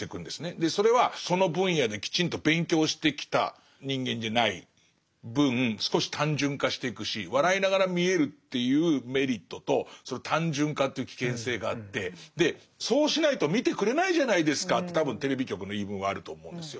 でそれはその分野できちんと勉強してきた人間じゃない分少し単純化してくし笑いながら見れるっていうメリットとその単純化っていう危険性があってでそうしないと見てくれないじゃないですかって多分テレビ局の言い分はあると思うんですよ。